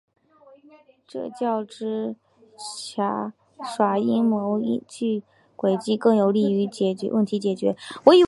这较之耍阴谋诡计更有利于问题的解决。